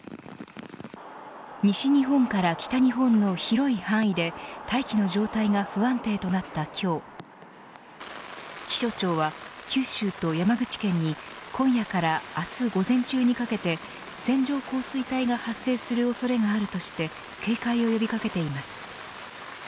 西日本から北日本の広い範囲で大気の状態が不安定となった今日気象庁は、九州と山口県に今夜から明日午前中にかけて線状降水帯が発生する恐れがあるとして警戒を呼び掛けています。